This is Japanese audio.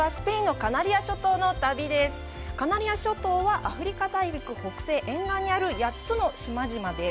カナリア諸島はアフリカ大陸沿岸にある８つの島々です。